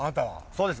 そうです